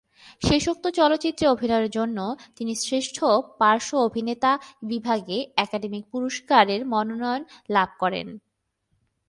শেষোক্ত চলচ্চিত্রে অভিনয়ের জন্য তিনি শ্রেষ্ঠ পার্শ্ব অভিনেতা বিভাগে একাডেমি পুরস্কারের মনোনয়ন লাভ করেন।